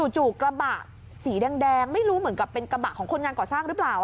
จู่กระบะสีแดงไม่รู้เหมือนกับเป็นกระบะของคนงานก่อสร้างหรือเปล่า